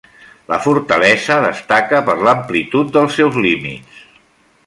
La fortalesa destaca per l'amplitud dels seus límits.